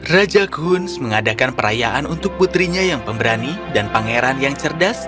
raja kuns mengadakan perayaan untuk putrinya yang pemberani dan pangeran yang cerdas